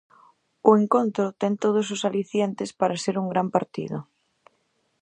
O encontro ten todos os alicientes para ser un gran partido.